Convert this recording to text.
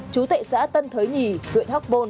chú tệ xã tân thới nhì huyện hóc bôn